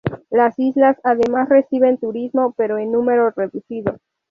Las islas además reciben turismo, pero en número reducido.